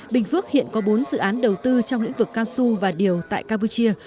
bình phước hiện có bốn dự án đầu tư trong lĩnh vực cao su và điều tại campuchia